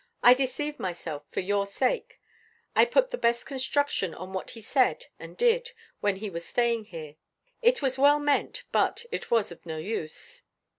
I deceived myself, for your sake; I put the best construction on what he said and did, when he was staying here. It was well meant, but it was of no use.